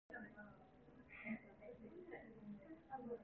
이런 계제에 아들을 찾아온 여학생을 먼발치로라도 보고 싶었던 것이다.